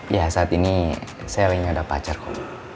ya saat ini saya lainnya udah pacar bu